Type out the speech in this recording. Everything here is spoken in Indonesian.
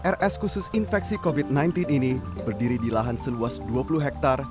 rs khusus infeksi covid sembilan belas ini berdiri di lahan seluas dua puluh hektare